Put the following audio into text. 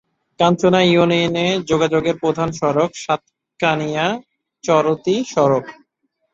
কাঞ্চনা ইউনিয়নে যোগাযোগের প্রধান সড়ক সাতকানিয়া-চরতী সড়ক।